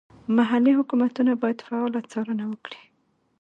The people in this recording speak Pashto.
محلي حکومتونه باید فعاله څارنه وکړي.